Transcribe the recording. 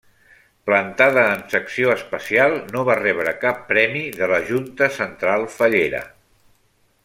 Plantada en secció Especial, no va rebre cap premi de la Junta Central Fallera.